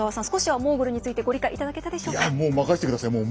少しはモーグルについてご理解いただけたでしょうか？